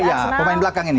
iya pemain belakang ini